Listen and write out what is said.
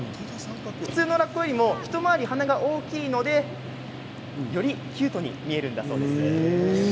普通のラッコよりも一回り鼻が大きいのでよりキュートに見えるんだそうです。